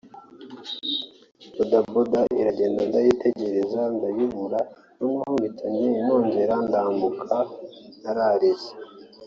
Boda Boda iragenda ndayitegereza ndayibura noneho mpita nongera ndambuka…Nararize